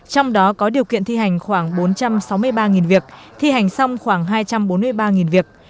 trong đó có điều kiện thi hành khoảng bốn trăm sáu mươi ba việc thi hành xong khoảng hai trăm bốn mươi ba việc